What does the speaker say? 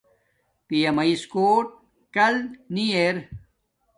پیامیس کوٹ کل نی ارا